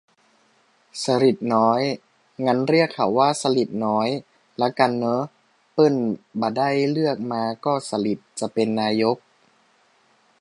"สฤษฎิ์น้อย" งั้นเรียกเขาว่า "สลิดน้อย" ละกันเน่อ เปิ้นบ่ะได้เลือกมาก็สลิดจะเป๋นนายก